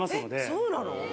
そうなの？